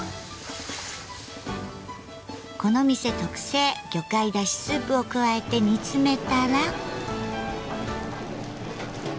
この店特製魚介だしスープを加えて煮詰めたら。